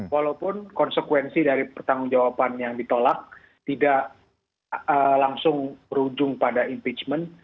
walaupun konsekuensi dari pertanggung jawaban yang ditolak tidak langsung berujung pada impeachment